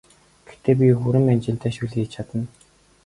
Гэхдээ би хүрэн манжинтай шөл хийж чадна!